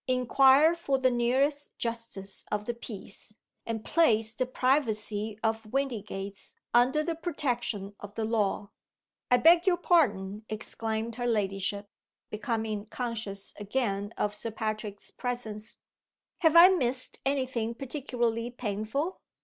"'Inquire for the nearest justice of the peace, and place the privacy of Windygates under the protection of the law.' I beg your pardon!" exclaimed her ladyship, becoming conscious again of Sir Patrick's presence. "Have I missed any thing particularly painful?